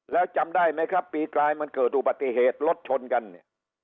แล้วจำได้ไหมครับปีกลายมันเกิดอุบัติเหตุรถชนกันเนี่ย